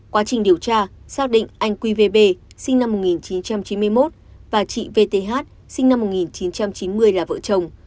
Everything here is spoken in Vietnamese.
quá trình điều tra xác định anh qvb sinh năm một nghìn chín trăm chín mươi một và chị vth sinh năm một nghìn chín trăm chín mươi là vợ chồng